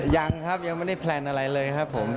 ยังครับยังไม่ได้แพลนอะไรเลยครับผม